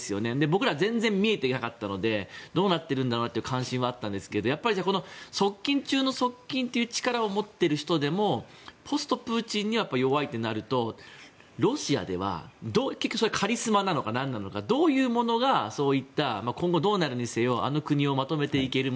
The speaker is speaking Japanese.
僕ら全然見えていなかったのでどうなってるんだろうって関心はあったんですけどやっぱり側近中の側近という力を持っている人でもポストプーチンにはやはり弱いとなるとロシアではカリスマなのか何なのかどういうものがそういった今後どうなるにせよあの国をまとめていける。